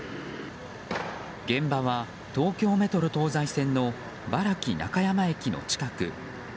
現場は東京メトロ東西線の原木中山駅の近く。